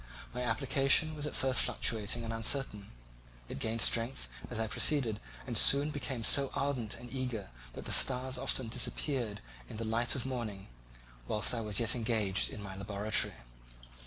My application was at first fluctuating and uncertain; it gained strength as I proceeded and soon became so ardent and eager that the stars often disappeared in the light of morning whilst I was yet engaged in my laboratory.